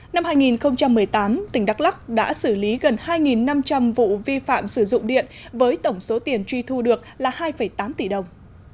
năm hai nghìn một mươi tám tỉnh đắk lắc đã xử lý gần hai năm trăm linh vụ vi phạm sử dụng điện với tổng số tiền truy thu được là hai tám tỷ đồng